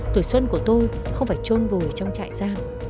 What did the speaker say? tuổi xuân của tôi không phải trôn vùi trong trại giam